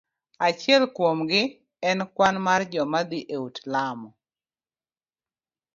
Achiel kuom gi en kwan mar joma dhi e ut lamo.